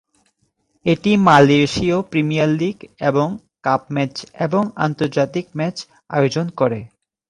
এটি মালয়েশীয় premier league এবং কাপ ম্যাচ এবং আন্তর্জাতিক ম্যাচ আয়োজন করে।